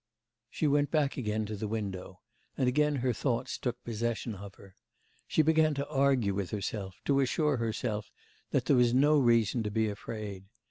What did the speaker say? She went back again to the window, and again her thoughts took possession of her. She began to argue with herself, to assure herself that there was no reason to be afraid.